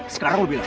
sekarang lu bilang